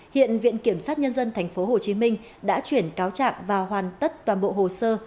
hiện viện kiểm sát nhân dân tp hcm đã chuyển cáo trạng và hoàn tất toàn bộ hồ sơ